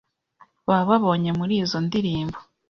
baba babonye muri izo ndirimbo,